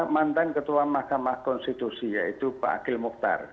mantan ketua mahkamah konstitusi yaitu pak akhil mukhtar